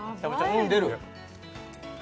「うん！」出る？